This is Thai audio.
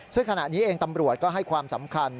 ซึ่งขณะนี้เองตำรวจก็ให้ความสำคัญ